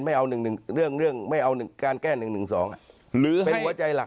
ไม่เอาเรื่องไม่เอาการแก้๑๑๒หรือเป็นหัวใจหลัก